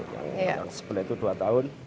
yang sebenarnya itu dua tahun